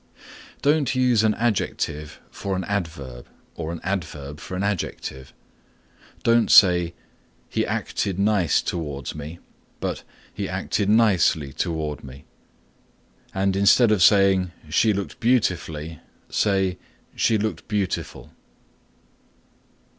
(7) Don't use an adjective for an adverb or an adverb for an adjective. Don't say, "He acted nice towards me" but "He acted nicely toward me," and instead of saying "She looked beautifully" say "She looked beautiful."